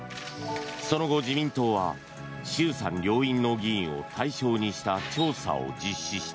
その後、自民党は衆参両院の議員を対象にした調査を実施した。